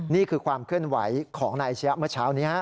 นี่คือความเคลื่อนไหวของนายอาชียะเมื่อเช้านี้